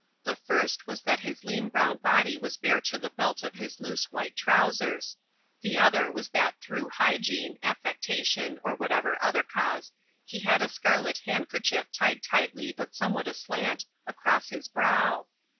The first was that his lean brown body was bare to the belt of his loose white trousers; the other that through hygiene, affectation, or whatever other cause, he had a scarlet handkerchief tied tightly but somewhat aslant across his brow.